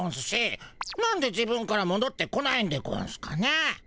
なんで自分からもどってこないんでゴンスかねえ。